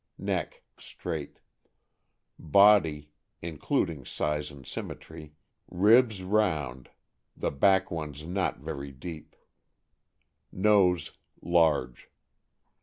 Neck.— Straight. Body (including size and symmetry). — Ribs round, the back ones not very deep. Nose. — Large.